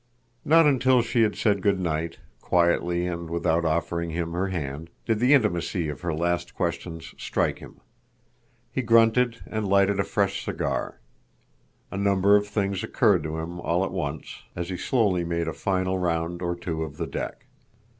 Not until she had said good night, quietly and without offering him her hand, did the intimacy of her last questions strike him. He grunted and lighted a fresh cigar. A number of things occurred to him all at once, as he slowly made a final round or two of the deck.